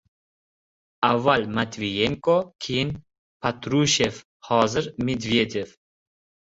Avval Matviyenko, keyin Patrushev, hozir Medvedev